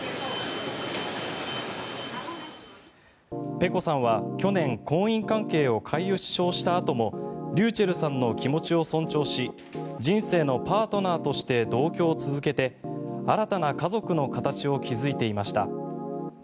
ｐｅｃｏさんは去年婚姻関係を解消したあともｒｙｕｃｈｅｌｌさんの気持ちを尊重し人生のパートナーとして同居を続けて新たな家族の形を築いていました。